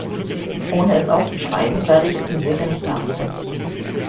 Ohne es aufzuschreiben, werde ich es mir sicher nicht merken können.